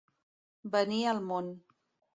Venir al món.